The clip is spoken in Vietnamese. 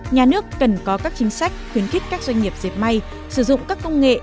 nhà nước cần có các chính sách khuyến khích các doanh nghiệp dẹp may sử dụng các công nghệ